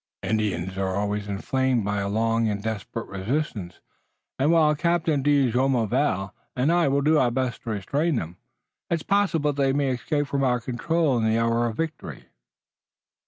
Indians are always inflamed by a long and desperate resistance and while Captain de Jumonville and I will do our best to restrain them, it's possible that they may escape from our control in the hour of victory."